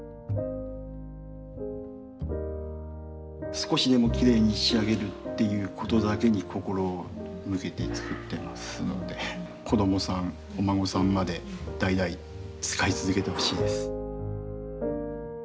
少しでもきれいに仕上げるということだけに心を向けて作ってますので子どもさんお孫さんまで代々使い続けてほしいです。